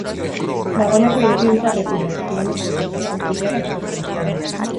Dagoeneko ireki dute errepidea, kilometrotako auto-ilarak sortu ostean.